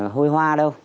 hôi hoa đâu